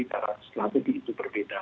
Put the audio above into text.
tara strategi itu berbeda